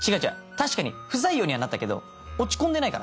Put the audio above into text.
確かに不採用にはなったけど落ち込んでないから。